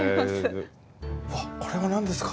わっこれは何ですか？